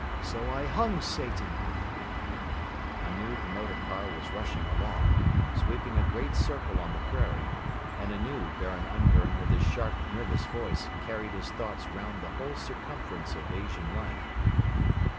... So I hung 'Satan' ..." Anew the motor car was rushing along, sweeping a great circle on the prairie, and anew Baron Ungern with his sharp, nervous voice carried his thoughts round the whole circumference of Asian life.